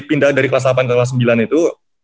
pindah dari kelas delapan ke kelas sembilan itu